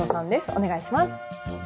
お願いします。